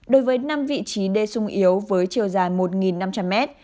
đối với năm vị trí đê sung yếu với chiều dài một năm trăm linh mét